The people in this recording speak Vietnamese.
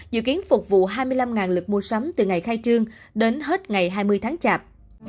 dự kiến phục vụ hai mươi năm lực mua sắm từ ngày khai trương đến hết ngày hai mươi tháng chạp